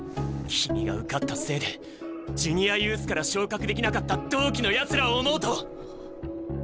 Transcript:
君が受かったせいでジュニアユースから昇格できなかった同期のやつらを思うと。